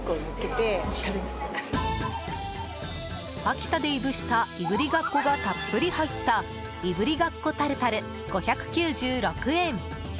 秋田でいぶしたいぶりがっこがたっぷり入ったいぶりがっこタルタル、５９６円。